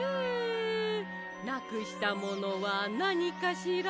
なくしたものはなにかしら？